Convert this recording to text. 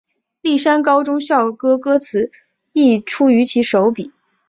丽山高中校歌歌词亦出于其手笔。